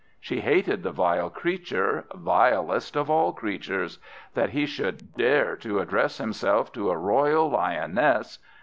She hated the vile creature, vilest of all creatures; that he should dare to address himself to a royal lioness!